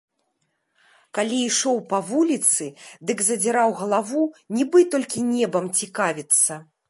Калі ішоў па вуліцы, дык задзіраў галаву, нібы толькі небам цікавіцца.